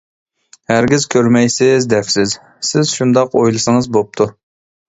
ھەرگىز كۆرمەيسىز دەپسىز، سىز شۇنداق ئويلىسىڭىز بوپتۇ.